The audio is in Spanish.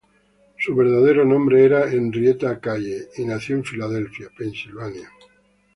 Su verdadero nombre era Henrietta Kaye, y nació en Filadelfia, Pensilvania.